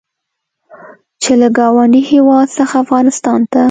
چې له ګاونډي هېواد څخه افغانستان ته